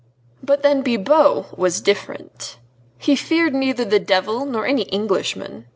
But then Bibot was different! He feared neither the devil, nor any Englishman.